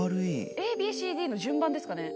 ＡＢＣＤの順番ですかね？